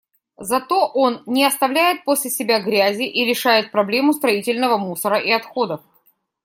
Зато он не оставляет после себя грязи и решает проблему строительного мусора и отходов.